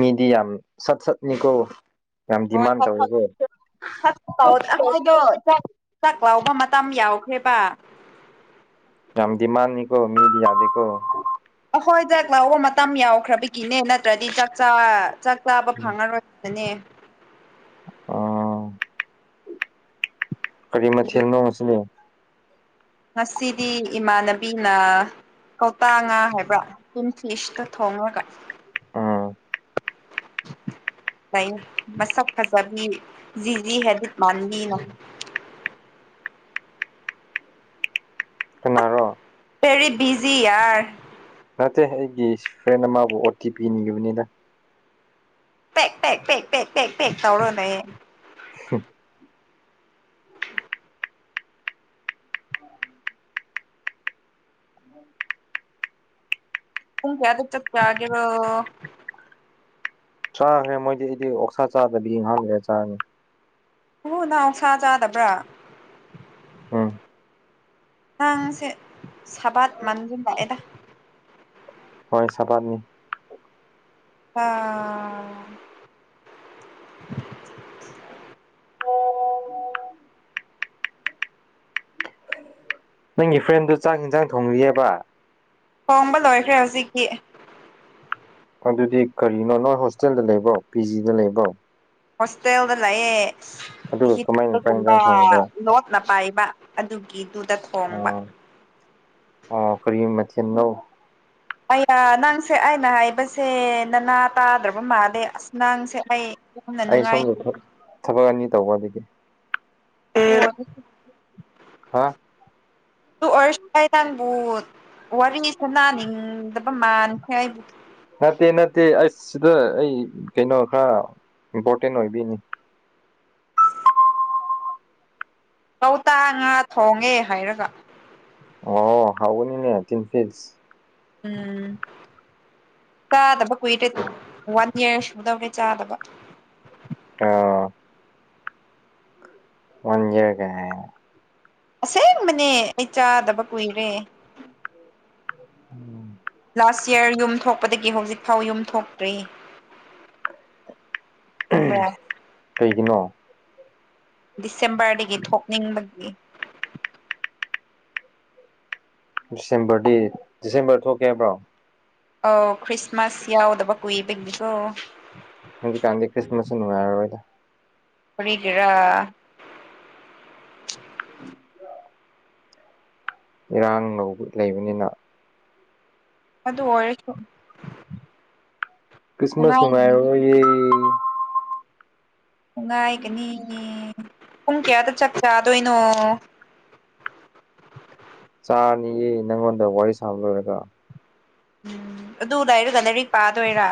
ꯃꯤꯗꯤ ꯌꯥꯝ ꯁꯠ ꯁꯠꯅꯤꯀꯣ ꯌꯥꯝ ꯍꯣꯏ ꯗꯤꯃꯥꯟ ꯍꯣꯢ ꯇꯧꯋꯤꯀꯣ ꯈꯔꯁꯨ ꯇꯧꯔ ꯑꯩꯈꯣꯏꯗꯣ ꯆꯥꯛ ꯆꯥꯛ ꯂꯥꯎꯕ ꯃꯇꯝ ꯌꯥꯎꯈ꯭ꯔꯦꯕ ꯌꯥꯝ ꯗꯤꯃꯥꯟꯅꯤꯀꯣ ꯃꯤꯗꯤ ꯌꯥꯗꯦꯀꯣ ꯑꯈꯣꯏ ꯆꯥꯛ ꯂꯧꯕ ꯃꯇꯝ ꯌꯥꯎꯈ꯭ꯔꯕꯒꯤꯅꯦ ꯅꯠꯇ꯭ꯔꯗꯤ ꯆꯥꯛ ꯆꯥ ꯆꯥꯛ ꯆꯥꯕ ꯐꯪꯉꯔꯣꯏ ꯃꯅꯤ [inaudible] ꯑꯣ ꯀꯔꯤ ꯑꯗꯨ ꯃꯊꯦꯜ ꯅꯣ ꯉꯁꯤꯗꯤ ꯉꯁꯤꯗꯤ ꯏꯃꯥꯟꯅꯕꯤꯅ ꯀꯧꯇꯥ ꯉꯥ ꯍꯥꯏꯕ꯭ꯔꯥ ꯐꯤꯁꯇ ꯊꯣꯡꯉꯒ ꯑꯣ ꯂꯩꯌꯦ ꯃꯁꯛ ꯐꯖꯕꯤ ꯖꯤꯖꯤ ꯍꯩꯐꯦꯠ ꯃꯥꯟꯕꯤ ꯀꯅꯥꯔꯣ ꯄꯦꯔꯤ ꯕꯤꯖꯤ ꯌꯔ ꯅꯠꯇꯦ ꯑꯩꯒꯤ ꯐ꯭ꯔꯦꯟ ꯑꯃꯕꯨ ꯑꯣ ꯇꯤ ꯄꯤ ꯅꯤꯕꯅꯤꯗ ꯄꯦꯛ ꯄꯦꯛ ꯄꯦꯛ ꯄꯦꯛ ꯄꯦꯛ ꯄꯦꯛ ꯇꯧꯔꯒ ꯂꯩꯌꯦ [unintelligible] ꯄꯨꯡ ꯀꯌꯥꯗ ꯆꯥꯛ ꯆꯒꯦꯔꯣ ꯆꯥꯈ꯭ꯔꯦ ꯃꯣꯏꯗꯤ ꯑꯩꯗꯤ ꯑꯣꯛꯁꯥ ꯆꯥꯗꯕꯤ ꯉꯥꯢꯍꯥꯛ ꯂꯩꯔꯒ ꯆꯥꯅꯤ ꯑꯣ ꯅꯪ ꯑꯣꯛꯁꯥ ꯆꯥꯗꯕ꯭ꯔꯥ ꯎꯝ ꯅꯪꯁꯦ ꯁꯕꯥꯠ ꯃꯥꯟꯒꯨꯝ ꯂꯥꯛꯑꯦꯗ ꯍꯣꯏ ꯁꯗꯅꯤ ꯑꯥ ꯅꯪꯒꯤ ꯐ꯭ꯔꯦꯟꯗꯨ ꯆꯥꯛ ꯌꯦꯟꯖꯥꯡ ꯊꯣꯡꯂꯤꯑꯦꯕ ꯊꯣꯡꯕ ꯂꯣꯏꯈ꯭ꯔꯦ ꯍꯧꯖꯤꯛꯇꯤ ꯑꯗꯨꯗꯤ ꯀꯔꯤꯅꯣ ꯅꯣꯏ ꯍꯣꯁꯇꯦꯜꯗ ꯂꯩꯕꯣ ꯄꯤ ꯖꯤꯗ ꯂꯩꯕꯣ ꯍꯣꯁꯇꯦꯜꯗ ꯂꯩꯌꯦ ꯑꯗꯨꯒ ꯍꯤꯞꯄ ꯀꯃꯥꯏꯅ ꯆꯥꯛ ꯒꯨꯝꯕ ꯌꯦꯟꯁꯥꯡ ꯊꯣꯡꯕ꯭ꯔꯣ ꯂꯣꯠꯅ ꯄꯥꯏꯕ ꯑꯗꯨꯒꯤꯗꯨꯗ ꯊꯣꯡꯕ ꯑꯣ ꯑꯣ ꯀꯔꯤ ꯃꯊꯦꯟ ꯅꯣ ꯑꯌꯥ ꯅꯪꯁꯦ ꯑꯩꯅ ꯍꯥꯏꯕꯁꯦ ꯅꯅꯥ ꯇꯥꯗ꯭ꯔꯕ ꯃꯥꯜꯂꯦ ꯑꯁ ꯅꯪꯁꯦ ꯑꯩ ꯌꯥꯝꯅ ꯑꯩ ꯁꯣꯝꯗ ꯅꯨꯡꯉꯥꯏꯇꯦ ꯊꯕꯛ ꯑꯅꯤ ꯇꯧꯕ ꯑꯗꯨꯒꯤ ꯇꯣꯛꯑꯣ ꯑꯗꯨꯗꯤ ꯍꯥ ꯑꯗꯨ ꯑꯣꯢꯔꯁꯨ ꯑꯩ ꯅꯪꯕꯨ ꯋꯥꯔꯤꯁꯥꯟꯅꯅꯤꯡꯗꯕ ꯃꯥꯥꯟꯈ꯭ꯔꯦ ꯑꯩ ꯅꯠꯇꯦ ꯅꯠꯇꯦ ꯑꯁ ꯁꯤꯗ ꯑꯩ ꯀꯩꯅꯣ ꯈꯔ ꯏꯝꯄꯣꯔꯇꯦꯟ ꯑꯣꯏꯕꯤꯅꯤ ꯀꯧꯇꯥ ꯉꯥ ꯊꯣꯡꯉꯦ ꯍꯥꯏꯔꯒ ꯑꯣ ꯍꯥꯎꯒꯅꯤꯅꯦ ꯇꯤꯟ ꯐꯤꯁ ꯎꯝ ꯆꯥꯗꯕ ꯀꯨꯏꯔꯦ ꯋꯥꯟ ꯏꯔ ꯁꯨꯗꯧꯔꯦ ꯆꯥꯗꯕ ꯑ [inaudible] ꯃꯟꯖꯔꯒ ꯑꯁꯦꯡꯕꯅꯦ ꯑꯩ ꯆꯥꯗꯕ ꯀꯨꯏꯔꯦ ꯎꯝ ꯂꯥꯁ ꯌꯔ ꯌꯨꯝ ꯊꯣꯛꯄꯗꯒꯤ ꯍꯧꯖꯤꯛꯐꯥꯎ ꯌꯨꯝ ꯊꯣꯛꯇ꯭ꯔꯤ ꯈꯪꯕ꯭ꯔꯥ ꯀꯩꯒꯤꯅꯣ ꯗꯤꯁꯦꯝꯕꯔꯗꯒꯤ ꯊꯣꯛꯅꯤꯡꯕꯒꯤ ꯗꯤꯁꯦꯝꯕꯔꯗꯤ ꯗꯤꯁꯦꯝꯕꯔ ꯊꯣꯛꯀꯦ ꯍꯥꯏꯕ꯭ꯔꯣ ꯑꯧ ꯈ꯭ꯔꯤꯁꯃꯥꯁ ꯌꯥꯎꯗꯕ ꯀꯨꯏꯕꯒꯤꯀꯣ ꯍꯧꯖꯤꯛ ꯀꯥꯟꯗꯤ ꯀ꯭ꯔꯤꯁꯃꯥꯁꯁꯨ ꯅꯨꯡꯉꯥꯢꯔꯔꯣꯢꯗ ꯀꯔꯤꯒꯤꯔꯥ [unintelligible] ꯏꯔꯥꯡ ꯂꯧꯕ ꯂꯩꯕꯅꯤꯅ ꯑꯗꯨ ꯑꯣꯏꯔꯁꯨ ꯀ꯭ꯔꯤꯁꯃꯁ ꯅꯨꯡꯉꯥꯏꯒꯅꯤ ꯅꯨꯡꯃꯥꯏꯔ ꯅꯨꯡꯉꯥꯏꯒꯅꯤ ꯄꯨꯡ ꯀꯌꯥꯗ ꯆꯥꯛ ꯆꯥꯗꯣꯏꯅꯣ ꯆꯥꯅꯤꯌꯦ ꯅꯪꯉꯣꯟꯗ ꯋꯥꯔꯤ ꯁꯥꯕ ꯂꯣꯏꯔꯒ ꯎꯝ ꯑꯗꯨꯗꯔꯒ ꯂꯩꯔꯤ ꯄꯥꯗꯣꯏꯔꯥ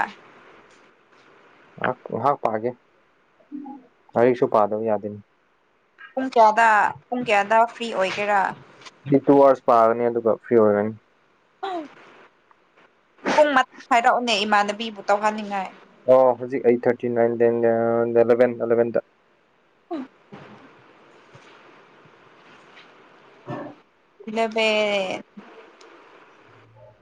ꯉꯥꯏꯍꯥꯛ ꯉꯥꯏꯍꯥꯛ ꯄꯥꯒꯦ ꯂꯥꯏꯔꯤꯛꯁꯨ ꯄꯥꯗꯕ ꯌꯥꯗꯦꯅꯤ ꯄꯨꯡ ꯀꯌꯥꯗ ꯄꯨꯡ ꯀꯌꯥꯗ ꯐ꯭ꯔꯤ ꯑꯣꯏꯒꯦꯔꯥ ꯁꯤ ꯇꯨ ꯑꯋꯥꯔꯁ ꯄꯥꯒꯅꯤ ꯑꯗꯨꯒ ꯐ꯭ꯔꯤ ꯑꯣꯏꯔꯅꯤ ꯄꯨꯡ ꯍꯥꯏꯔꯛꯑꯣꯅꯦ ꯏꯃꯥꯟꯅꯕꯤꯕꯨ ꯇꯧꯍꯟꯅꯤꯡꯉꯥꯏ ꯑꯣ ꯍꯧꯖꯤꯛ eight thirty nine ten eleven ꯑꯦꯂꯚꯦꯟꯗ ꯎ ꯏꯂꯕ ꯑꯣ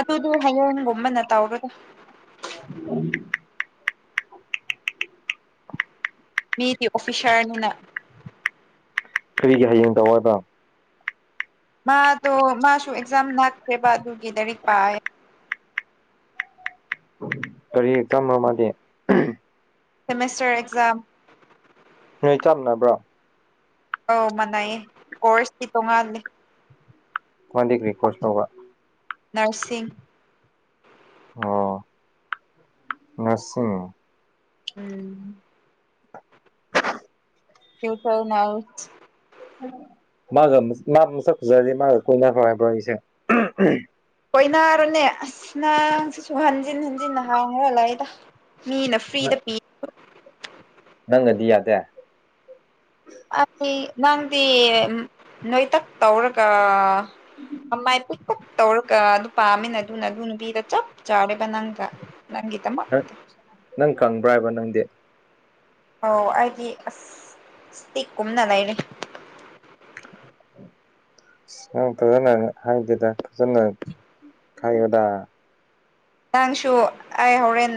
ꯑꯗꯨꯗꯤ ꯍꯌꯦꯡꯒꯨꯝꯕꯅ ꯇꯧꯔꯒ ꯎꯝ ꯃꯤꯗꯤ ꯑꯣꯐꯤꯁꯔꯅꯤꯅ ꯀꯔꯤꯒꯤ ꯍꯌꯦꯡ ꯇꯧꯏꯗ ꯃꯥꯗꯣ ꯃꯥꯁꯨ ꯑꯦꯛꯖꯥꯝ ꯅꯥꯛꯁꯦꯕ ꯑꯗꯨꯒꯤ ꯂꯥꯏꯏꯔꯤꯛ ꯄꯥꯏ ꯎꯝ ꯀꯔꯤ ꯇꯝ꯭ꯔ ꯃꯥꯗꯤꯦ ꯁꯦꯃꯦꯁꯇꯔ ꯑꯦꯛꯖꯝ ꯅꯣꯏ ꯆꯞꯃꯅꯕ꯭ꯔꯣ ꯑꯧ ꯃꯅꯥꯏꯌꯦ ꯀꯣꯔꯁꯇꯤ ꯇꯣꯡꯉꯥꯂꯦ ꯐꯣꯟꯗꯒꯤ ꯀ꯭ꯔꯤ ꯔꯦꯀꯣꯔꯠ ꯇꯧꯕ ꯅꯔꯁꯤꯁꯤꯡ ꯑꯣ ꯅꯔꯁꯤ ꯎꯝ ꯊ ꯇꯧꯅꯎ ꯃꯥꯒ ꯃꯥ ꯃ ꯆꯛꯖꯔꯗꯤ ꯃꯥꯒ ꯀꯨꯣꯏꯅ ꯐ꯭ꯔ ꯍꯥꯏꯕ꯭ꯔꯣ ꯑꯩꯁꯦ ꯀꯣꯏꯅꯔꯨꯅꯦ ꯑꯁ ꯅꯪ ꯁꯤꯁꯨ ꯍꯟꯖꯤꯟ ꯍꯟꯖꯤꯟ ꯍꯥꯡꯈ꯭ꯔ ꯂꯥꯛꯏꯗ ꯃꯤ ꯅ ꯐ꯭ꯔꯤꯗ ꯄꯤ ꯅꯪꯅꯗꯤ ꯌꯥꯗꯦ ꯑꯩ ꯅꯪꯗꯤ ꯅꯣꯏꯇꯛ ꯇꯧꯔꯒ ꯑꯝꯕꯥꯏ ꯇꯧꯔꯒ ꯑꯗꯨ ꯄꯥꯝꯃꯤꯅ ꯑꯗꯨꯅ ꯑꯗꯨ ꯅꯨꯄꯤꯗ ꯆꯞ ꯆꯥꯔꯦꯕ ꯅꯪꯗ ꯅꯪꯒꯤꯗꯃꯛ ꯅꯪ ꯅꯪ ꯀꯪꯕ꯭ꯔꯥ ꯍꯥꯏꯕ ꯅꯪꯗꯤ ꯑꯧ ꯑꯩꯗꯤ ꯑꯁ ꯏꯁꯇꯤꯛ ꯀꯨꯝꯅ ꯂꯩꯔꯤ [inaudible] ꯅꯪ ꯐꯖꯅ ꯍꯥꯏꯗꯦꯗ ꯐꯖꯅ ꯈꯥꯏꯌꯣꯗ ꯅꯪꯁꯨ ꯑꯩ ꯍꯣꯔꯦꯟ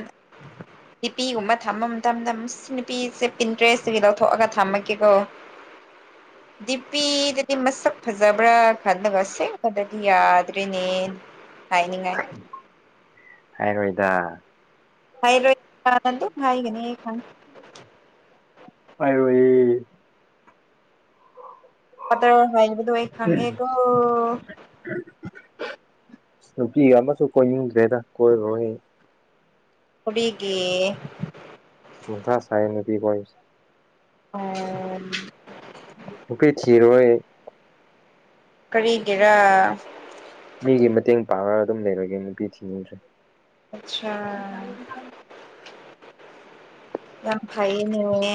ꯅꯨꯄꯤꯒꯨꯝꯕ ꯊꯝꯕ ꯃꯇꯝꯗ ꯅꯨꯄꯤꯁꯦ ꯄꯤꯟꯇ꯭ꯔꯦꯁꯇꯒꯤ ꯂꯧꯊꯣꯛꯑꯒ ꯊꯝꯃꯒꯦꯀꯣ [inaudible] ꯗꯤꯄꯤꯗꯗꯤ ꯃꯁꯛ ꯐꯖꯕ꯭ꯔꯥ ꯈꯜꯂꯒ ꯁꯦꯡꯕꯗꯗꯤ ꯌꯥꯗ꯭ꯔꯔꯤꯅꯦ ꯍꯥꯏꯅꯤꯉꯥꯏ ꯑꯣꯏꯣꯏꯗ ꯅ ꯍꯥꯏꯒꯅꯦ ꯈ ꯍꯥꯏ ꯑꯩ ꯑꯇ ꯍꯥꯏꯕꯗꯨ ꯑꯩ ꯎꯝ ꯈꯪꯉꯦꯀꯣ ꯅꯨꯄꯤ ꯑꯃꯁꯨ ꯀꯣꯏꯅꯤꯡꯗ꯭ꯔꯦꯗ ꯀꯣꯏꯔꯣꯏꯍ ꯀꯔꯤꯒꯤ ꯃ ꯊ ꯁꯥꯏ ꯅꯨꯄꯤ ꯀꯣꯏꯁ ꯑꯣꯝ ꯅꯨꯄꯤ ꯊꯤꯔꯣꯏ ꯑꯩ ꯀꯔꯤꯒꯤꯔꯥ ꯃꯤꯒꯤ ꯃꯇꯦꯡ ꯄꯥꯡꯔꯒ ꯑꯗꯨꯝ ꯂꯩꯔꯒꯦ ꯅꯨꯄꯤ ꯊꯤꯅꯤꯡꯗ꯭ꯔꯦ ꯑꯆꯥꯥ ꯌꯥꯝ ꯐꯥꯏꯌꯦꯅꯤꯅꯦ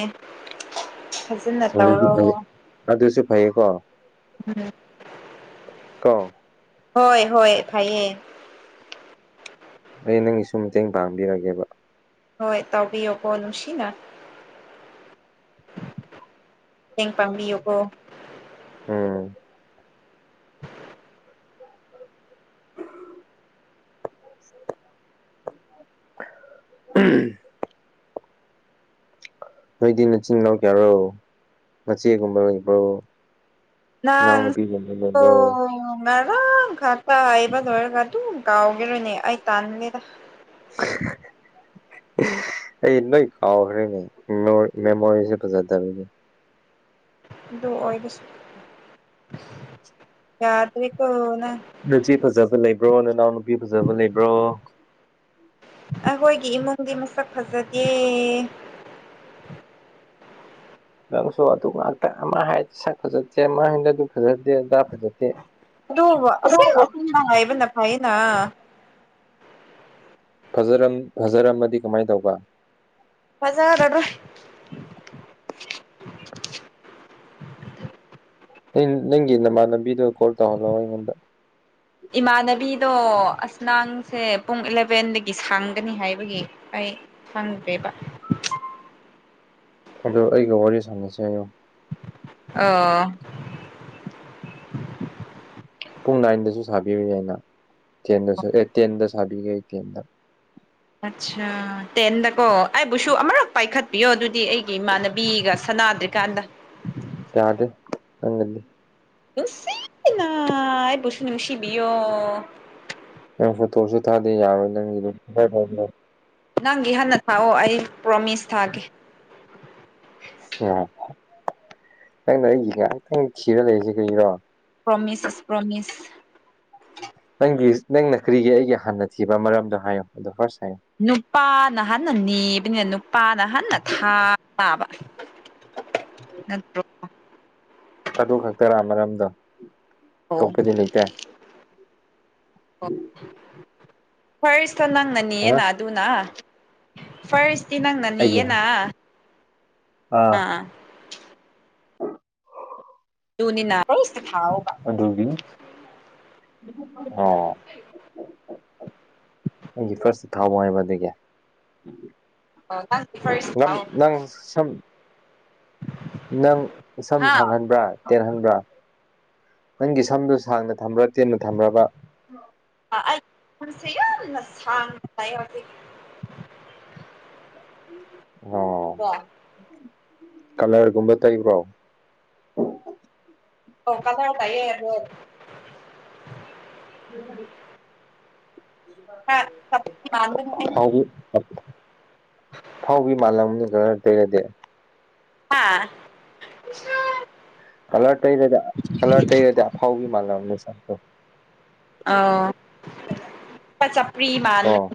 ꯑꯗꯨꯁꯨ ꯐꯩ ꯑꯗꯨꯁꯨ ꯐꯩꯀꯣ ꯎꯝ ꯀꯣ ꯍꯣꯏ ꯍꯣꯏ ꯐꯥꯏꯌꯦ ꯑꯩ ꯅꯪꯒꯤꯁꯨ ꯃꯇꯦꯡ ꯄꯥꯡꯕꯤꯔꯒꯦꯕ ꯍꯣꯏ ꯇꯧꯕꯕꯤꯌꯣꯀꯣ ꯅꯨꯡꯁꯤꯅ ꯃꯇꯦꯡ ꯄꯥꯡꯕꯤꯌꯨꯀꯣ ꯎꯝ ꯎꯝ ꯅꯣꯏꯗꯤ ꯅꯆꯤꯟ ꯏꯅꯥꯎ ꯀꯌꯥꯔꯣ ꯃꯆꯦꯒꯨꯝꯕ ꯂꯩꯕ꯭ꯔꯣ ꯅꯥꯡ ꯏꯅꯥꯎꯅꯨꯄꯤꯒꯨꯝꯕ ꯂꯩꯕ꯭ꯔꯣ ꯏ ꯉꯔꯥꯡ ꯈꯥ ꯇꯥꯏꯕ ꯂꯣꯏꯔꯒ ꯑꯗꯨ ꯀꯥꯎꯈꯤꯔꯣꯏꯅꯦ ꯑꯩ ꯇꯥꯟꯗꯦꯗ [inaudible] ꯑꯦ ꯅ ꯀꯥꯎ ꯍꯔꯦꯅꯦ ꯃꯦꯃꯣꯔꯤꯁꯦꯗꯅꯦ ꯒꯁ ꯆꯔ ꯇꯔꯤꯀꯅ ꯅꯆ ꯐꯖꯕ ꯂꯩꯕ꯭ꯔꯣ ꯅꯅꯥꯎ ꯅꯨꯄꯤ ꯐꯖꯕ ꯂꯩꯕ꯭ꯔꯣ ꯑꯩꯈꯣꯏꯒꯤ ꯏꯃꯨꯡꯗꯤ ꯃꯁꯛ ꯐꯖꯗꯦ ꯅꯪꯁꯨ ꯑꯗꯨ ꯉꯥꯛꯇ ꯑꯃ ꯁꯛ ꯐꯖꯗꯦ ꯑꯃ ꯍꯥꯏꯅ ꯑꯗꯨ ꯐꯖꯗꯦ ꯑꯗꯥ ꯐꯖꯦ ꯑꯗꯨ ꯑꯁ ꯑꯁꯦꯡꯅ ꯍꯥꯏꯕꯅ ꯐꯩꯅ ꯐꯖꯔꯝ ꯐꯖꯔꯝꯃꯗꯤ ꯀꯃꯥꯏꯅ ꯇꯧꯕ ꯐꯖꯗ꯭ꯔꯣ ꯅ ꯅꯪꯒꯤ ꯅꯃꯥꯟ ꯂꯝꯕꯤꯗꯣ ꯀꯣꯜ ꯇꯧꯍꯜꯂꯣ ꯑꯩꯉꯣꯟꯗ ꯏꯃꯥꯟꯅꯕꯤꯗꯣ ꯑꯁꯅꯥꯡꯁꯦ ꯄꯨꯡ ꯏꯂꯚꯦꯟꯗꯒꯤ ꯁꯥꯡꯒꯅꯤ ꯍꯥꯏꯕꯒꯤ ꯑꯩ ꯍꯪꯗꯦꯕ ꯑꯗꯨ ꯑꯩꯒ ꯋꯥꯔꯤ ꯁꯥꯟꯅꯁꯦ ꯍꯥꯏꯌꯨ ꯑ ꯄꯨꯡ ꯅꯥꯏꯟꯗꯁꯨ ꯁꯥꯕꯤꯌꯨꯏ ꯑꯩꯅ ꯇꯦꯟꯗꯁꯨ ꯑꯦ ꯇꯦꯟꯗ ꯁꯥꯕꯤꯒꯦ ꯑꯩ ꯇꯦꯟꯗ ꯑꯠꯆꯥ ꯇꯦꯟꯗꯀꯣ ꯑꯩꯕꯨꯁꯨ ꯑꯃꯔꯛ ꯄꯥꯏꯈꯠꯄꯤꯌꯣ ꯑꯗꯨꯗꯤ ꯑꯩꯒꯤ ꯏꯃꯥꯟꯅꯕꯤꯒ ꯁꯥꯟꯅꯥꯗ꯭ꯔꯤꯀꯥꯟꯗ ꯀꯌꯥꯗꯦꯪꯗꯤ ꯅꯨꯡꯁꯤ ꯑꯩꯕꯨꯁꯨ ꯅꯨꯡꯁꯤꯕꯤꯌꯣ ꯅꯪ ꯐꯣꯇꯣꯁꯨ ꯊꯥꯗꯦ ꯌꯥꯔꯣꯏ ꯅꯪꯒꯤꯝ ꯅꯪꯒꯤ ꯍꯥꯟꯟꯅ ꯊꯥꯛꯑꯣ ꯑꯩ ꯄ꯭ꯔꯣꯃꯤꯁ ꯊꯥꯒꯦ ꯎ ꯅꯪꯅ ꯑꯩꯒꯤ ꯉꯥꯏꯍꯥꯛꯇꯪ ꯂꯩꯔꯤꯁꯤ ꯀꯩꯒꯤꯔꯣ ꯄꯣꯃꯤꯁꯤꯁ ꯄ꯭ꯔꯣꯃꯤꯁ ꯅꯪꯒꯤ ꯅꯪꯅ ꯀꯔꯤꯒꯤ ꯑꯩꯒꯤ ꯍꯥꯟꯅ ꯊꯤꯕ ꯃꯔꯝꯗꯣ ꯍꯥꯏꯌꯣ ꯑꯗꯣ ꯐꯥꯔꯁ ꯍꯥꯏꯌꯣ ꯅꯨꯄꯥꯅ ꯍꯥꯟꯟꯅ ꯅꯤꯕꯅꯤꯅ ꯅꯨꯄꯥꯅ ꯍꯟꯅ ꯊꯥꯕ ꯅꯠꯇ꯭ꯔꯣ ꯑꯗꯨ ꯈꯛꯇꯔꯥ ꯃꯔꯝꯗ ꯑꯣ ꯐꯣꯏꯁꯇ ꯅꯪꯅꯅꯤꯌꯦꯅ ꯑꯗꯨꯅ ꯐꯔꯁ ꯅꯪ ꯅꯅꯤ ꯑꯩꯒꯤ ꯌꯦꯅꯥ ꯑꯥ ꯑ ꯑꯗꯨꯅꯤꯅꯕ ꯑꯣ ꯑꯩꯒꯤ ꯐꯥꯔꯁꯇ ꯊꯥꯎꯕ ꯍꯥꯏꯕ ꯑꯗꯨꯗꯒꯤ ꯑꯣ ꯅꯪꯒꯤ ꯐꯥꯔꯁ ꯅ ꯊꯥꯎ ꯅꯪ ꯁ ꯅꯪ ꯁꯝ ꯍꯥ ꯁꯥꯡꯍꯟꯕ꯭ꯔꯥ ꯇꯦꯟꯍꯟꯕ꯭ꯔꯥ ꯅꯪꯒꯤ ꯁꯝꯗꯨ ꯁꯥꯡꯅ ꯊꯝꯕ꯭ꯔꯥ ꯇꯦꯟꯅ ꯊꯝꯕ꯭ꯔꯕ ꯁꯦ ꯌꯥꯅ ꯁꯥꯡ ꯑꯣ ꯋꯥ ꯀꯂꯔꯒꯨꯝꯕ ꯇꯥꯏꯕ꯭ꯔꯣ ꯑꯣ ꯀꯗꯥ ꯇꯌꯦꯔꯦ [unintelligible] ꯈꯔ ꯃꯥꯟꯕꯅꯦ ꯑꯩꯗꯤ ꯐꯥꯎꯕꯤ ꯃꯥꯜꯂꯝꯅꯤ ꯈꯔ ꯇꯩꯔꯗꯤ ꯍꯥꯥ ꯀꯂꯔ ꯇꯩꯔꯗ ꯀꯂꯔ ꯇꯩꯔꯦꯗꯤ ꯑꯐꯥꯎꯕꯤ ꯃꯥꯒꯦꯅꯤ ꯁꯇ ꯑꯣ ꯆꯄ꯭ꯔꯤꯃ ꯑꯣ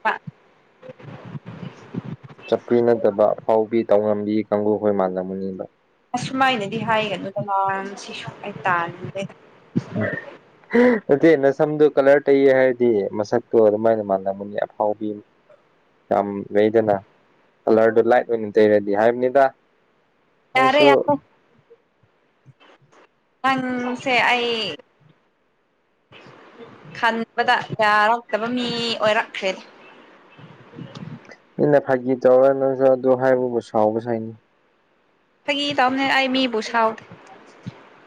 ꯆꯞꯄꯔꯤ ꯅꯠꯇꯕ ꯑꯐꯥꯎꯕꯤ ꯇꯧꯉꯝꯕꯤ ꯀꯥꯡꯕꯨꯈꯣꯏ ꯃꯥꯥꯟꯂꯝꯃꯨꯅꯤꯕ ꯑꯁꯨꯃꯥꯏꯅꯗꯤ ꯍꯥꯏꯒꯅꯨꯗ ꯃ ꯁꯤꯁꯨ ꯑꯩ ꯇꯥꯟꯅꯤꯡꯗꯦ [inaudible] ꯅꯠꯇꯦ ꯅ ꯁꯝꯗꯣ ꯀꯂꯔ ꯇꯩꯌꯦ ꯍꯥꯏꯔꯗꯤ ꯃꯁꯛꯇꯣ ꯑꯗꯨꯃꯥꯏꯅ ꯃꯥꯜꯂꯝꯒꯅꯤ ꯑꯐꯥꯎꯕꯤ ꯌꯥꯝ ꯂꯩꯗꯅ ꯀꯂꯔꯗꯨꯣ ꯂꯥꯏꯠ ꯑꯣꯏꯅ ꯇꯩꯔꯗꯤ ꯍꯥꯏꯕꯅꯤꯗ ꯌꯥꯔꯦ ꯅꯪꯁꯨ ꯌꯥꯔ ꯅꯪꯁꯦ ꯑꯩ ꯈꯟꯕꯗ ꯌꯥꯌꯥꯔꯛꯇꯕ ꯃꯤ ꯑꯣꯏꯔꯛꯈ꯭ꯔꯦ ꯃꯤꯅ ꯐꯥꯒꯤ ꯇꯧꯔ ꯅꯪꯁꯨ ꯑꯗꯨ ꯍꯥꯏꯕꯕꯨ ꯁꯥꯎꯕꯁꯨ ꯍꯥꯏꯅꯤ ꯐꯥꯒꯤ ꯇꯥꯎꯅꯦ ꯑꯩ ꯃꯤꯕꯨ ꯁꯥꯎꯗꯦ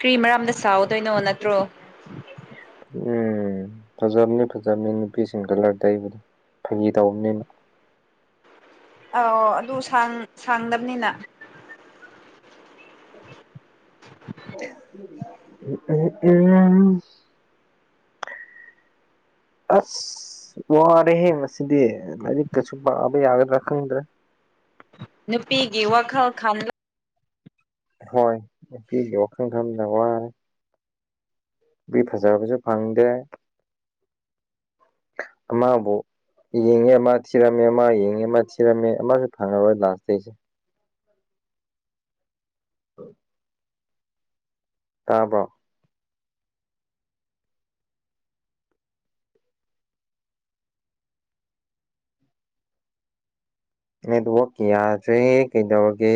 ꯀꯔꯤ ꯃꯔꯝꯗ ꯁꯥꯎꯗꯣꯏꯅꯣ ꯅꯠꯇ꯭ꯔꯣ ꯎꯝ ꯐꯖꯕꯅꯤ ꯐꯖꯕꯅꯤ ꯅꯨꯄꯤꯁꯤꯡꯗꯂꯔ ꯇꯩꯕꯗ ꯐꯩ ꯇꯧꯕꯅꯤꯅ ꯑ ꯑꯗꯨ ꯁꯥꯡꯗꯕꯅꯤꯅ ꯇꯇꯛ [inaudible] ꯎꯝ ꯎꯝ ꯇꯥꯗꯔꯦ [inaudible] ꯑꯁ ꯋꯥꯔꯦꯍꯦ ꯉꯁꯤꯗꯤ ꯂꯥꯏꯔꯤꯛ ꯀꯁꯨ ꯄꯥꯕ ꯌꯥꯒꯗ꯭ꯔꯥ ꯈꯪꯗ꯭ꯔꯥ ꯅꯨꯄꯤꯒꯤ ꯋꯥꯈꯜ ꯈꯜ ꯍꯣꯏ ꯅꯨꯄꯤꯒꯤ ꯋꯥꯈꯜ ꯈꯅ ꯋꯥ ꯃꯤ ꯐꯖꯕꯁꯨ ꯐꯪꯗꯦ ꯑꯃꯕꯨ ꯌꯦꯡꯉꯦ ꯑꯃ ꯊꯤꯔꯝꯃꯦ ꯑꯃ ꯌꯦꯡꯉꯦ ꯑꯃ ꯊꯤꯔꯝꯃꯦ ꯑꯃꯁꯨ ꯐꯪꯉꯔꯣꯏ ꯂꯥꯟꯁꯇꯩꯁꯦ [unintelligible] ꯇꯥꯕ꯭ꯔꯣ ꯅꯦꯠꯋꯛ ꯌꯥꯗ꯭ꯔꯦ ꯀꯩꯗꯧꯔꯒꯦ